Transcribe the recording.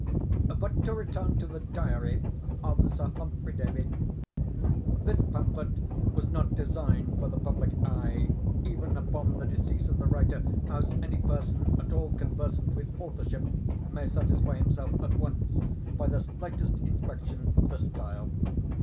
But to return to the 'Diary' of Sir Humphrey Davy. This pamphlet was not designed for the public eye, even upon the decease of the writer, as any person at all conversant with authorship may satisfy himself at once by the slightest inspection of the style.